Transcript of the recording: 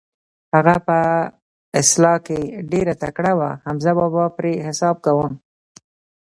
هغه په اصلاح کې ډېر تکړه و، حمزه بابا پرې حساب کاوه.